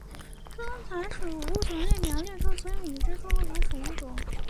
猪笼草属物种列表列出了所有已知的猪笼草属物种。